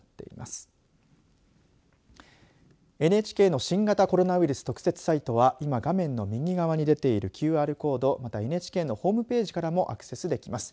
ＮＨＫの新型コロナウイルス特設サイトは今、画面の右側に出ているＱＲコードまたＮＨＫのホームページからもアクセスできます。